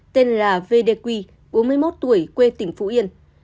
tên là v d quy bốn mươi một tuổi quê tỉnh phú yên